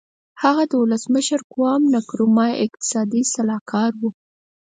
هغه د ولسمشر قوام نکرومه اقتصادي سلاکار و.